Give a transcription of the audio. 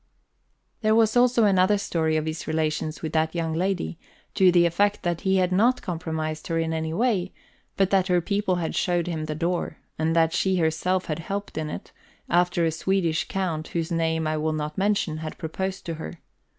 There was also another story of his relations with that young lady, to the effect that he had not compromised her in any way, but that her people had showed him the door, and that she herself had helped in it, after a Swedish Count, whose name I will not mention, had proposed to her.